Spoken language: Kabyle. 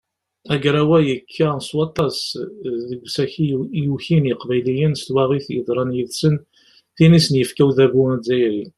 Agraw-a yekka s waṭas deg usaki i yukin yiqbayliyen s twaɣit yeḍran yid-sen, tin i sen-yefka udabu azzayri.